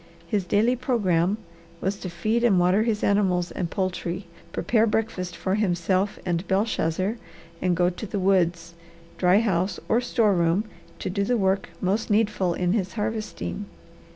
His daily programme was to feed and water his animals and poultry, prepare breakfast for himself and Belshazzar, and go to the woods, dry house or store room to do the work most needful in his harvesting.